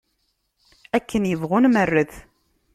Akken ibɣu nmerret.